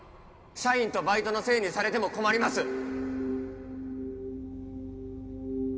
社員とバイトのせいにされても困ります